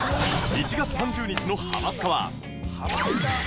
１月３０日の『ハマスカ』は